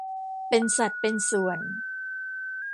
เป็นสัดเป็นส่วน